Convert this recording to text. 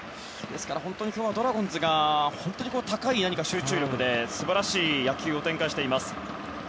今日は、ドラゴンズが本当に高い集中力で素晴らしい野球を展開しています。